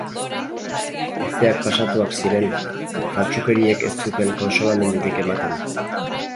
Urteak pasatuak ziren, faltsukeriek ez zuten kontsolamendurik ematen.